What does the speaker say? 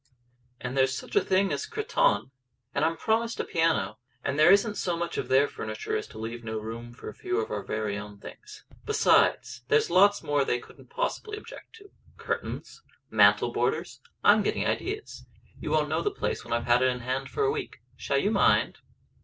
"And there's such a thing as cretonne; and I'm promised a piano; and there isn't so much of their furniture as to leave no room for a few of our very own things. Besides, there's lots more they couldn't possibly object to. Curtains. Mantel borders. I'm getting ideas. You won't know the place when I've had it in hand a week. Shall you mind?"